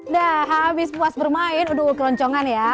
nah habis puas bermain udah keloncongan ya